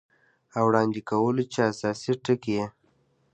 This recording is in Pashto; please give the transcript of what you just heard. او وړاندې کولو چې اساسي ټکي یې